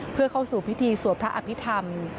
เพื่อเข้าสู่พิธีสวดพระอภิษฐรรม